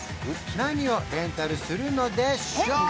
何をレンタルするのでしょうか？